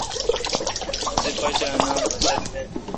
اسے°باچا اے°نام اسد نہ۔